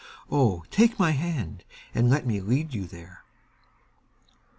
Oh, take my hand and let me lead you there.